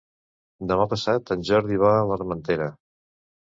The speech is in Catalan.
Demà passat en Jordi va a l'Armentera.